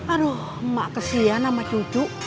aduh emak kesian sama cucu